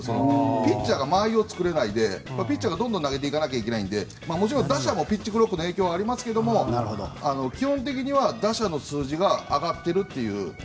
ピッチャーが間合いを作れないでピッチャーがどんどん投げていかなきゃいけないのでもちろん打者もピッチクロックの影響もありますが打者の数字が上がってるという。